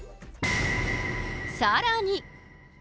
さらに。